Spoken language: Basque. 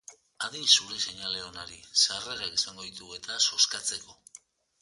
Adi zure seinale onari, sarrerak izango ditugu-eta zozkatzeko!